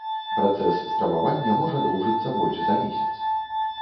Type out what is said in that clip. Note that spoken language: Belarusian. Працэс стрававання можа доўжыцца больш за месяц.